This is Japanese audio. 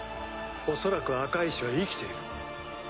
恐らく赤石は生きている。